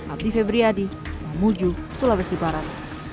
abdi febriadi mamuju sulawesi barat